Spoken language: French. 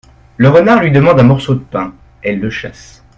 Le renard lui demande un morceau de pain ; elle le chasse.